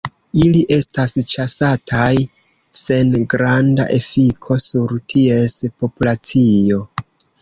Ili estas ĉasataj sen granda efiko sur ties populacio.